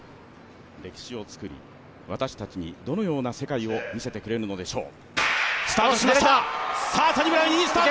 歴史を作り、私たちにどのような世界を見せてくれるのでしょう。